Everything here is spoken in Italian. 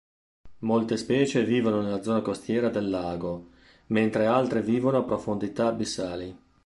Molte specie vivono nella zona costiera del lago mentre altre vivono a profondità abissali.